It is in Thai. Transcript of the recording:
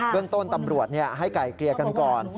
เรื่องต้นตำรวจให้ไก่เกลี่ยกันก่อน